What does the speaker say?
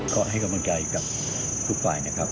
ก็ให้กำลังใจกับทุกฝ่ายนะครับ